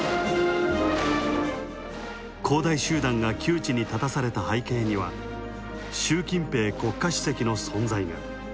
恒大集団が窮地に立たされた背景には、習近平国家主席の存在が。